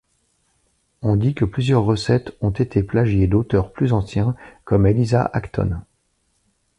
On dit que plusieurs recettes ont été plagiées d'auteurs plus anciens, comme Eliza Acton.